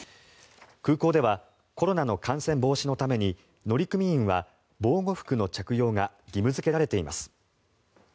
空港ではコロナの感染防止のために乗組員は防護服の着用が義務付けられています。